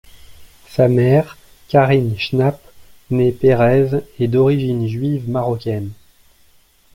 Sa mère, Karine Schnapp, née Perez, est d'origine juive marocaine.